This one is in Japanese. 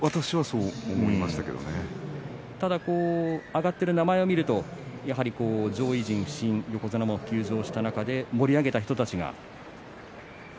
挙がっている名前を見るとやはり上位陣不振横綱も休場した中で盛り上げた人たちが。